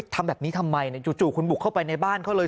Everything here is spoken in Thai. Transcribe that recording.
ทำแบบนี้ทำไมจู่คุณบุกเข้าไปในบ้านเขาเลย